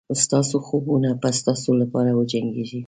ستاسو خوبونه به ستاسو لپاره وجنګېږي.